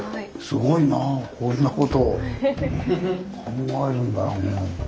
すごいなあこんなことを考えるんだ。